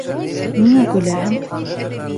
Ниңә көләһең?